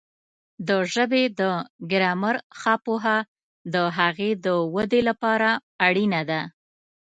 د ژبې د ګرامر ښه پوهه د هغې د وده لپاره اړینه ده.